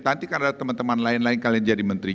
nanti kan ada teman teman lain lain kalian jadi menteri